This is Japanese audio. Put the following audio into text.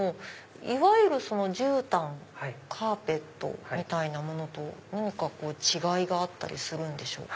いわゆる絨毯カーペットみたいなものと何か違いがあったりするんでしょうか？